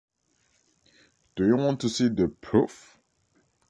Do you want to see the proof?